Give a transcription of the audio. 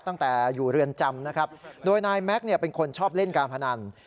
ตั้งแต่อยู่เรือนจำนะครับโดยนายแม็กซ์เป็นคนชอบเล่นการพนัน